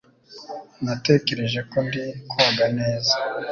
Natekereje ko ndi koga neza.